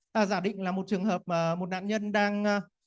ta giả định là một trường hợp một nạn nhân đang